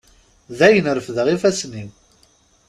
Dayen, refdeɣ ifassen-iw.